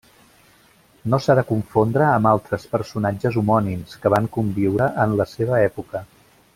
No s'ha de confondre amb altres personatges homònims que van conviure en la seva època.